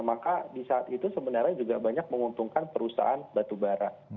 maka di saat itu sebenarnya juga banyak menguntungkan perusahaan batubara